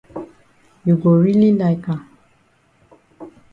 You go really like am